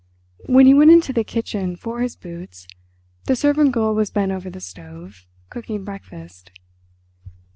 When he went into the kitchen for his boots, the servant girl was bent over the stove, cooking breakfast.